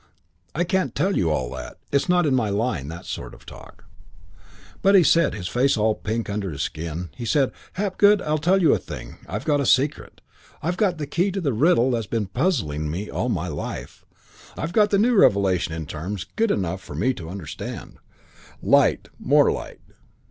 I can't tell you all that it's not in my line, that sort of talk. But he said, his face all pink under his skin, he said, 'Hapgood, I'll tell you a thing. I've got the secret. I've got the key to the riddle that's been puzzling me all my life. I've got the new revelation in terms good enough for me to understand. Light, more light.